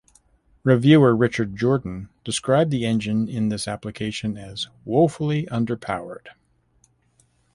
Reviewer Richard Jordan described the engine in this application as "woefully underpowered".